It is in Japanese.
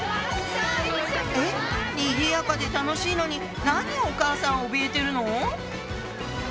にぎやかで楽しいのに何をお母さんおびえてるの？